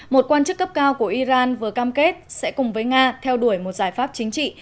một quan chức cấp cao của iran vừa cam kết sẽ cùng với nga theo đuổi một giải pháp chính trị